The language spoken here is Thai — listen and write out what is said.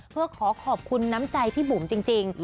เพื่อขอขอบคุณน้ำใจพี่บุ๋มจริง